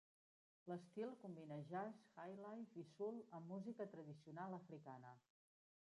L'estil combina jazz, highlife i soul amb música tradicional africana.